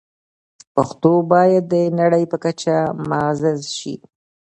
پښتو باید د نړۍ په کچه معزز شي.